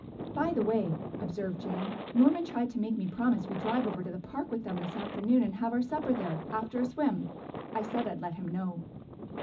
"By the way," observed Jane, "Norman tried to make me promise we'd drive over to the Park with them this afternoon and have our supper there, after a swim. I said I'd let him know."